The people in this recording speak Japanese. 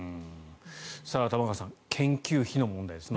玉川さん研究費の問題です。